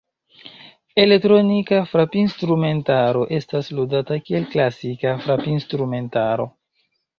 Elektronika frapinstrumentaro estas ludata kiel klasika frapinstrumentaro.